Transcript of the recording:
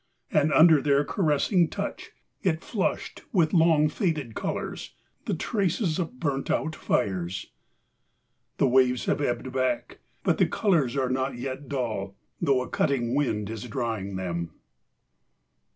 . and under their caressing touch it flushed with long faded colours, the traces of burnt out fires ! The waves have ebbed back ... but the colours are not yet dull, though a cutting wind is drying them.